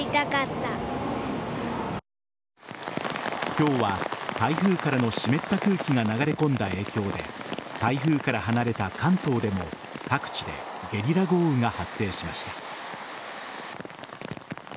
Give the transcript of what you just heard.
今日は台風からの湿った空気が流れ込んだ影響で台風から離れた関東でも各地でゲリラ豪雨が発生しました。